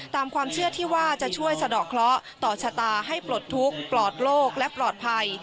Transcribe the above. ตามความเชื่อที่ว่าจะช่วยสะดอกเคราะห์ต่อชะตาให้ปลดทุกข์ปลอดโลกและปลอดภัย